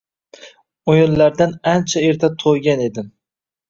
O’yinlardan ancha erta to’ygan edim